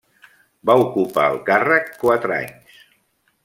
Va ocupar el càrrec quatre anys.